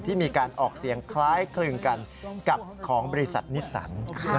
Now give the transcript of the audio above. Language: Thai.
ที่มีการออกเสียงคล้ายคลึงกันกับของบริษัทนิสสัน